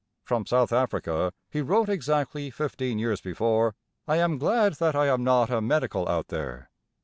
From South Africa he wrote exactly fifteen years before: "I am glad that I am not 'a medical' out here.